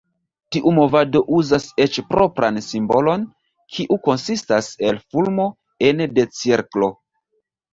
Tiu movado uzas eĉ propran simbolon, kiu konsistas el fulmo ene de cirklo.